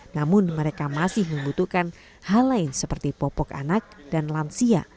namun mereka masih membutuhkan hal lain seperti popok anak dan lansia